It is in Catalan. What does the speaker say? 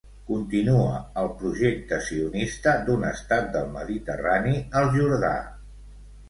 Continua el projecte sionista d'un estat del mediterrani al Jordà.